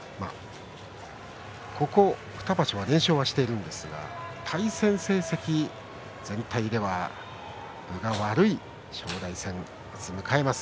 ここ２場所は連勝はしているんですが対戦成績で全体でいくと分が悪い正代戦です。